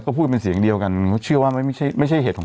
ก็พูดเป็นเสียงเดียวกันเขาเชื่อว่าไม่ใช่ไม่ใช่เหตุของ